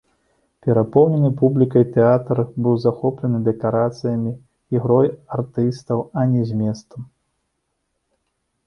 Перапоўнены публікай тэатр быў захоплены дэкарацыямі, ігрой артыстаў, а не зместам.